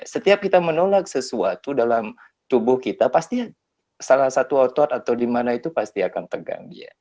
setiap kita menolak sesuatu dalam tubuh kita pasti salah satu otot atau di mana itu pasti akan tegang